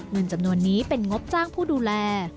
เงินจำนวนนี้เป็นงบจ้างผู้ดูแล